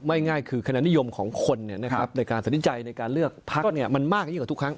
ง่ายคือคะแนนนิยมของคนในการสนใจในการเลือกพักมันมากยิ่งกว่าทุกครั้ง